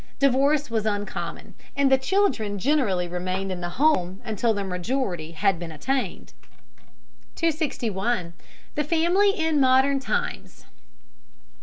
Divorce was uncommon, and the children generally remained in the home until their majority had been attained. 261. THE FAMILY IN MODERN TIMES.